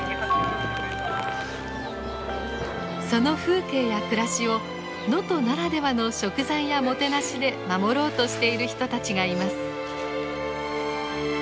その風景や暮らしを能登ならではの食材やもてなしで守ろうとしている人たちがいます。